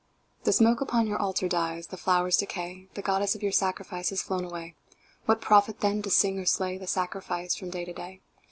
_) The smoke upon your Altar dies, The flowers decay, The Goddess of your sacrifice Has flown away. What profit, then, to sing or slay The sacrifice from day to day?